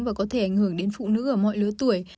và có thể ảnh hưởng đến phụ nữ ở mọi lứa tuổi